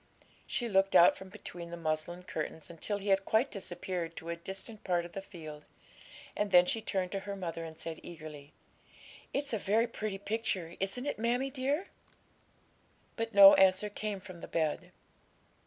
She looked out from between the muslin curtains until he had quite disappeared to a distant part of the field, and then she turned to her mother and said eagerly 'It's a very pretty picture, isn't it, mammie dear?' But no answer came from the bed.